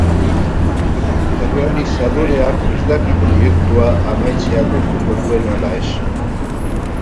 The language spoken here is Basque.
Errealizadoreak ez daki proiektua amaitzea lortuko duen ala ez.